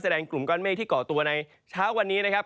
กลุ่มก้อนเมฆที่เกาะตัวในเช้าวันนี้นะครับ